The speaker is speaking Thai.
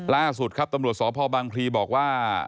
ล่าสุดครับตำรวจสพบังพลีบอกว่า